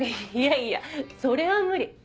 いやいやそれは無理